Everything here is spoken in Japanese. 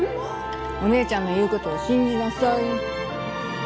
お姉ちゃんの言うことを信じなさい。